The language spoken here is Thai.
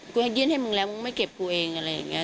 ให้ยื่นให้มึงแล้วมึงไม่เก็บกูเองอะไรอย่างนี้